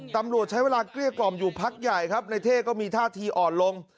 ตำรวจใช้เวลาเกลี้ยกล่อมอยู่พักใหญ่ครับในเท่ก็มีท่าทีอ่อนลง